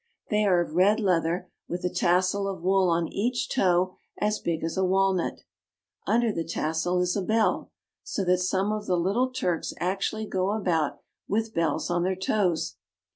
They are of red leather, with a tassel of wool on each toe as big as a walnut. Under the tassel is a bell, so that some of the little Turks actually go about with bells on their toes.